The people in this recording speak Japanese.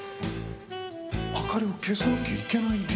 明かりを消さなきゃいけない理由が？